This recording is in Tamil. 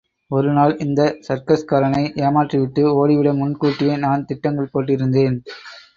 ஒரு நாள் இந்தச் சர்க்கஸ்காரனை ஏமாற்றிவிட்டு ஓடி விட முன் கூட்டியே நான் திட்டங்கள் போட்டிருந்தேன்.